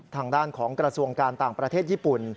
ทางด้านของกระทรวงการต่างประเทศญี่ปุ่น